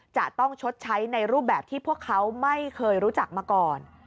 จะต้องชดใช้ในรูปแบบที่พวกเขาไม่เคยรู้จักมาก่อน